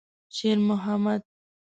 شېرمحمد.